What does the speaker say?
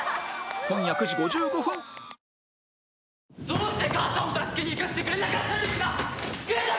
どうして母さんを助けに行かせてくれなかったんですか！